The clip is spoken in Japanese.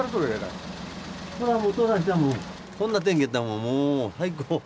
こんな天気やったらもう最高。